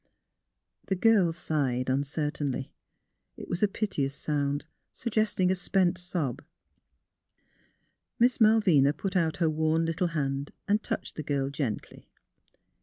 The girl sighed uncertainly. It was a piteous sound, suggesting a spent sob. Miss Malvina put WHERE IS SYLVIA? 197 out her worn little hand and touched the girl gently.